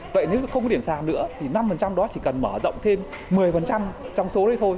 vậy nếu không có điểm sàn nữa thì năm đó chỉ cần mở rộng thêm một mươi trong số đấy thôi